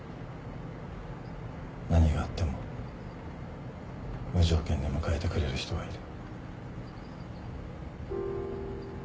何があっても無条件で迎えてくれる人がいる。